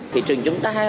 thị trường chúng ta